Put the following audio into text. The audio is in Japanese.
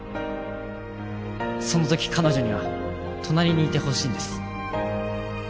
そのとき彼女には隣にいてほしいんです。